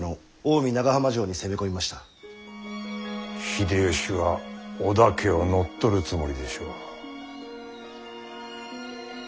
秀吉は織田家を乗っ取るつもりでしょう。